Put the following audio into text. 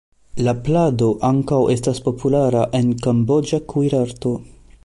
La plado ankaŭ estas populara en kamboĝa kuirarto.